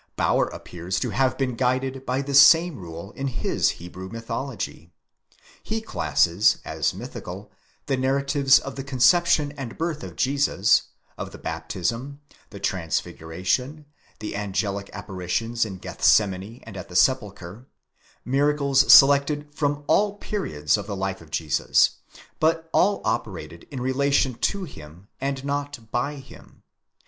Bauer appears to have been guided by the same rule in his Hebrew mythology. He classes as mythical the narratives of the conception and birth of Jesus, of the Baptism, the transfiguration, the angelic apparitions in Gethsemane and at the sepulchre: miracles selected from all periods of the life of Jesus, but all operated in relation to him and not by him.